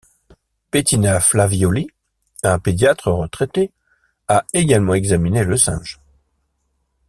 Bettina Flavioli, un pédiatre retraité, a également examiné le singe.